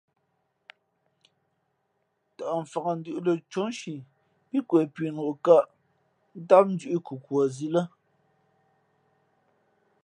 Tαʼ mfakndʉ̄ʼ lαcóʼ nshi pí kwe punok kα̌ʼ tám ndʉ̌ʼ nkhukwα zī lά.